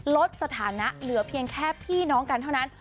ลดสถานะเหลือเพียงแค่พี่น้องกันเท่านั้น